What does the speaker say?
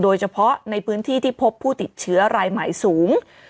โดยเฉพาะในพื้นที่ที่พบผู้ติดเชื้อรายใหม่สูง